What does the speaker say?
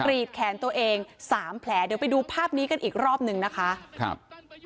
รีดแขนตัวเองสามแผลเดี๋ยวไปดูภาพนี้กันอีกรอบหนึ่งนะคะครับ